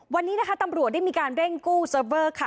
วันนี้นะคะตำรวจได้มีการเร่งกู้เซิร์ฟเวอร์ค่ะ